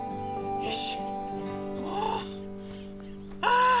よし！